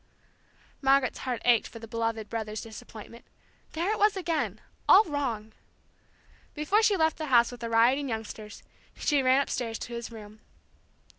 Margaret's heart ached for the beloved brother's disappointment. There it was again, all wrong! Before she left the house with the rioting youngsters, she ran upstairs to his room.